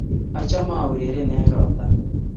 Achame au rereni eng' robta